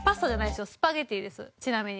ちなみに。